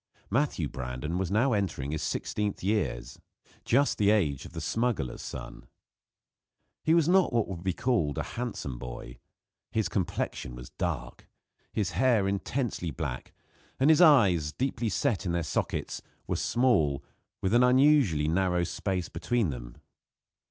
Matthew Brandon was now entering his sixteenth years just the age of the smuggler's son. He was not what would be called a handsome boy. His complexion was dark; his hair intensely black; and his eyes, deeply set in their sockets, were small, with an unusually narrow space between them.